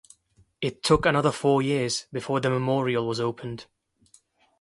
It took another four years before the memorial was opened.